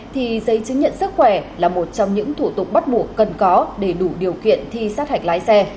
thì giấy chứng nhận sức khỏe là một trong những thủ tục bắt buộc cần có để đủ điều kiện thi sát hạch lái xe